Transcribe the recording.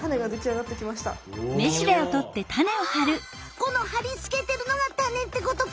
このはりつけてるのがタネってことか！